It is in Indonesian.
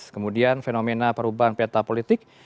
kemudian fenomena perubahan peta politik